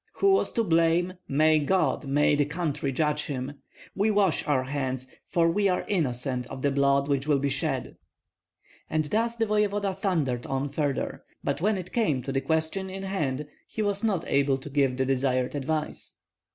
Who was to blame, may God, may the country judge him! We wash our hands, for we are innocent of the blood which will be shed." And thus the voevoda thundered on further; but when it came to the question in hand he was not able to give the desired advice.